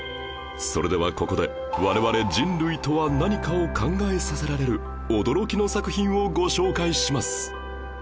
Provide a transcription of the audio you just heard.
それではここで我々人類とは何かを考えさせられる驚きの作品をご紹介します